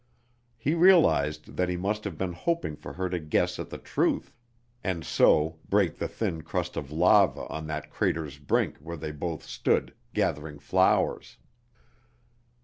He realized that he must have been hoping for her to guess at the truth, and so break the thin crust of lava on that crater's brink where they both stood, gathering flowers.